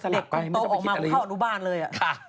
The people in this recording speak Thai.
เนกของเขาออกมาเขามันข้าวอนุบานเลย